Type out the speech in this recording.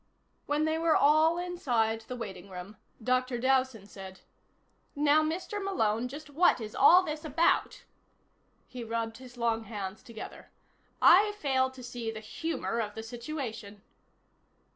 When they were all inside the waiting room, Dr. Dowson said: "Now, Mr. Malone, just what is all this about?" He rubbed his long hands together. "I fail to see the humor of the situation."